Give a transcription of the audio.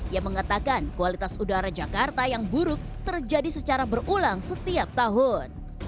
yang mengatakan kualitas udara jakarta yang buruk terjadi secara berulang setiap tahun